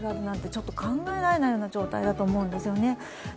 ちょっと考えられないような状態だと思うんですよね。